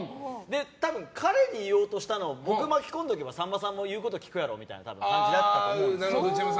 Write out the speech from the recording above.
多分、彼に言おうとしたのを僕を巻き込めばさんまさんも言うこと聞くやろみたいな感じだったので。